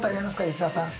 吉沢さん。